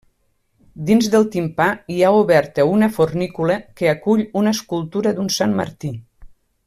Dins del timpà hi ha oberta una fornícula que acull una escultura d'un Sant Martí.